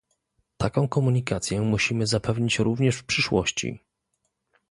Taką komunikację musimy zapewnić również w przyszłości